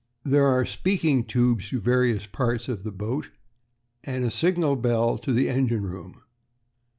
There are speaking tubes to various parts of the boat, and a signal bell to the engine room.